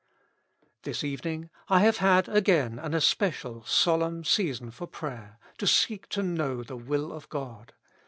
This evening I have had again an especial solemn season for prayer, to seek to know the will of God.